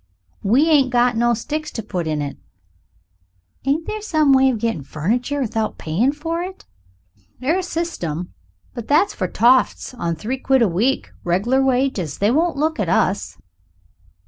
"We ain't got no sticks to put in it." "Ain't there some way you get furniture without payin' for it?" "'Ire systim. But that's for toffs on three quid a week, reg'lar wages. They wouldn't look at us."